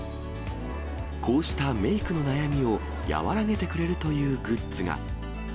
こうしたメークの悩みを和らげてくれるというグッズが。